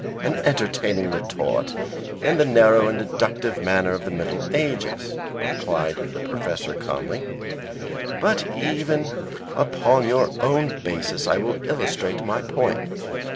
"An entertaining retort, in the narrow and deductive manner of the Middle Ages," replied the Professor, calmly, "but even upon your own basis I will illustrate my point.